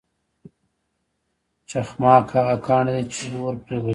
چخماق هغه کاڼی دی چې اور پرې بلیږي.